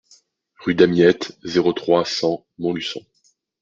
Rue Damiette, zéro trois, cent Montluçon